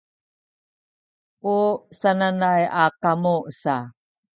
u sananay a kamu sa